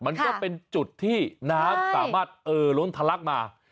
มันก็เป็นจุดที่น้ำสามารถล้นทะลักมา